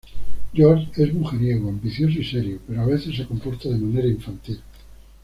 George es mujeriego, ambicioso y serio, pero a veces se comporta de manera infantil.